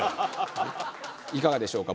いかがでしょうか？